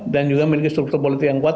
juga memiliki struktur politik yang kuat